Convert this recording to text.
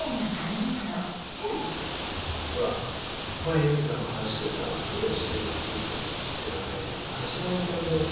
ほら前泉さんが話してた苦労してる得意先ってあれ「なべしま」のことなんじゃね？